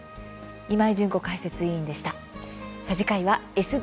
今井純子解説委員でした。